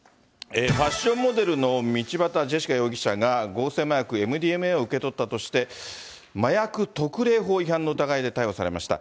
ファッションモデルの道端ジェシカ容疑者が、合成麻薬ＭＤＭＡを受け取ったとして、麻薬特例法違反の疑いで逮捕されました。